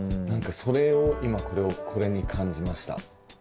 何かそれを今これに感じました。